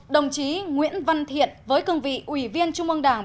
đồng chí nguyễn văn thiện với cương vị ủy viên trung ương đảng